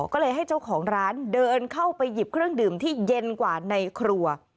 ก็เลยให้เจ้าของร้านเดินเข้าไปหยิบเครื่องดื่มที่เย็นกว่าในครัว